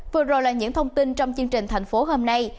vừa rồi là những thông tin trong chương trình thành phố hôm nay